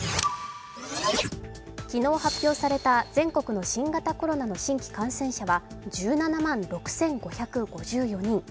昨日、発表された全国の新型コロナの新規感染者は１７万６５５４人。